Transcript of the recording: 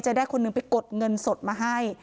ได้คนหนึ่งไปกดเงินสดมาให้